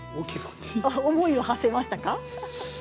思いをはせましたか？